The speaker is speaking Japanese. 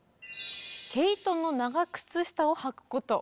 「毛糸の長靴下を履くこと」。